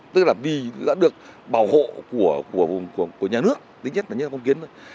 tức là vì đã được bảo hộ của nhà nước tính nhất là như là phong kiến thôi